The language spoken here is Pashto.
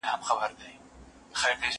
هغه وويل چي کار مهم دی!؟